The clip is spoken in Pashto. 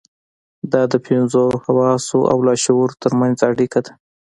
دا د پنځو حواسو او لاشعور ترمنځ اړيکه ده.